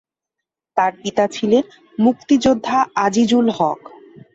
তার পিতা ছিলেন মুক্তিযোদ্ধা আজিজুল হক।